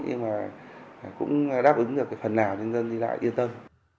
nhưng mà cũng đáp ứng được cái phần nào cho dân đi lại yên tâm